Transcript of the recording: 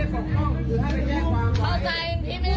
กดเข้าใจคุณแหวะ